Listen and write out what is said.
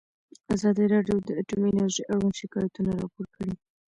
ازادي راډیو د اټومي انرژي اړوند شکایتونه راپور کړي.